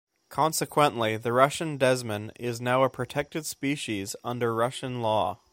Consequently, the Russian desman is now a protected species under Russian law.